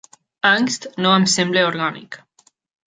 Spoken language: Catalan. "Angst" no em sembla orgànic.